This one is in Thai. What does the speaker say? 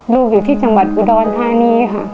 อยู่ที่จังหวัดอุดรธานีค่ะ